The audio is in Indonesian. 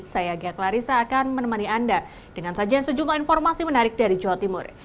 saya gaklarisa akan menemani anda dengan saja sejumlah informasi menarik dari jawa timur